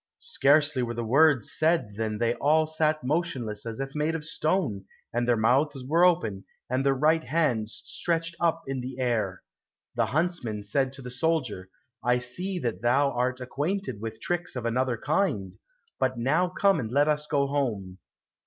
Scarcely were the words said than they all sat motionless as if made of stone, and their mouths were open and their right hands stretched up in the air. The huntsman said to the soldier, "I see that thou art acquainted with tricks of another kind, but now come and let us go home."